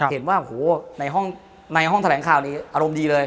เห็นว่าโอ้โหในห้องแทรงข้าวนี้อะไรดีเลย